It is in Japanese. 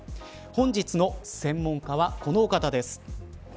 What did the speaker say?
本日の専門家は、このお方です。